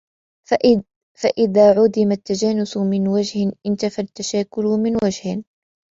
فَإِذَا عُدِمَ التَّجَانُسُ مِنْ وَجْهٍ انْتَفَى التَّشَاكُلُ مِنْ وَجْهٍ